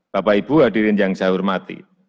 bapak ibu hadirin yang saya hormati